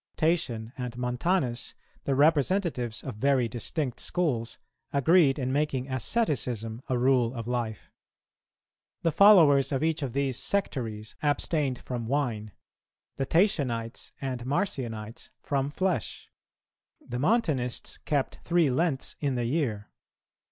Tatian and Montanus, the representatives of very distinct schools, agreed in making asceticism a rule of life. The followers of each of these sectaries abstained from wine; the Tatianites and Marcionites, from flesh; the Montanists kept three Lents in the year.